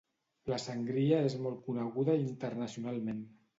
La sangria és molt coneguda internacionalment.